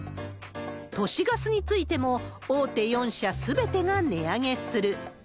都市ガスについても、大手４社すべてが値上げする。